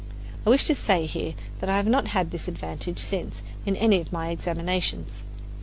I wish to say here that I have not had this advantage since in any of my examinations.